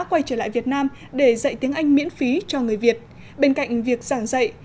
quay trở lại việt nam để dạy tiếng anh miễn phí cho người việt bên cạnh việc giảng dạy